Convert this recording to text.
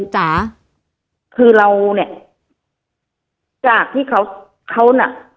จากที่เค้า